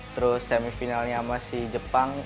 terus semifinalnya sama si jepang